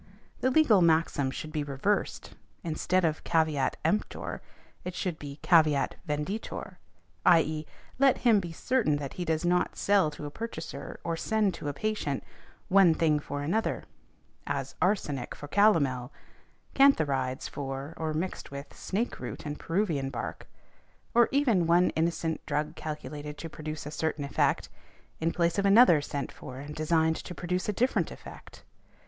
The legal maxim should be reversed, instead of caveat emptor it should be caveat venditor, i.e., let him be certain that he does not sell |178| to a purchaser or send to a patient, one thing for another, as arsenic for calomel, cantharides for, or mixed with snake root and Peruvian bark, or even one innocent drug calculated to produce a certain effect, in place of another sent for and designed to produce a different effect.